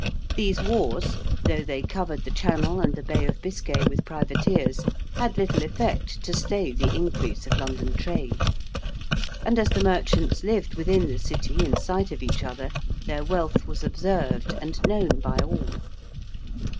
These wars, though they covered the Channel and the Bay of Biscay with privateers, had little effect to stay the increase of London trade. And as the merchants lived within the City, in sight of each other, their wealth was observed and known by all.